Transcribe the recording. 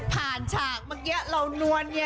ผ่านชากเมื่อกี๊เรานวนกัน